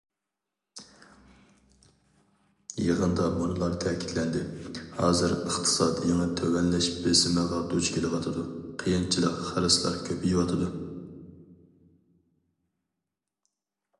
يىغىندا مۇنۇلار تەكىتلەندى: ھازىر ئىقتىساد يېڭى تۆۋەنلەش بېسىمىغا دۇچ كېلىۋاتىدۇ، قىيىنچىلىق، خىرىسلار كۆپىيىۋاتىدۇ.